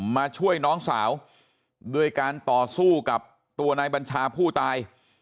มาช่วยน้องสาวด้วยการต่อสู้กับตัวนายบัญชาผู้ตาย